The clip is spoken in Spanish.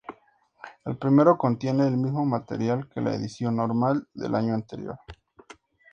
El primero contiene el mismo material que la edición normal del año anterior.